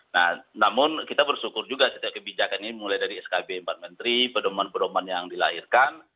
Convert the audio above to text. nah namun kita bersyukur juga setiap kebijakan ini mulai dari skb empat menteri pedoman pedoman yang dilahirkan